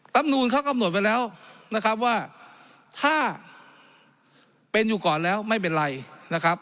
ำนูนเขากำหนดไว้แล้วนะครับว่าถ้าเป็นอยู่ก่อนแล้วไม่เป็นไรนะครับ